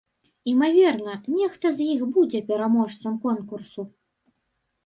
Імаверна, нехта з іх будзе пераможцам конкурсу.